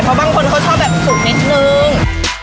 เพราะบางคนเขาชอบแบบสุกนิดนึง